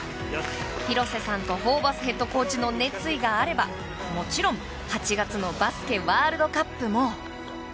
広瀬さんとホーバスヘッドコーチの熱意があればもちろん８月のバスケワールドカップも。